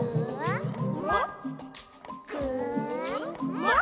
「もっ？